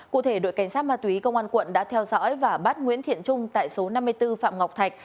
cụ thể đội cảnh sát ma túy công an quận đã theo dõi và bắt nguyễn thiện trung tại số năm mươi bốn phạm ngọc thạch